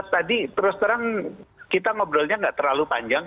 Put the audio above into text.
tadi terus terang kita ngobrolnya nggak terlalu panjang